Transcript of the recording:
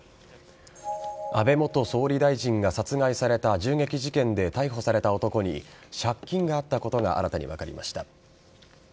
安倍元総理大臣が殺害された銃撃事件で逮捕された男に借金があったことが新たに分かりました。